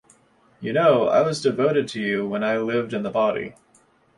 You know I was devoted to you when I lived in the body.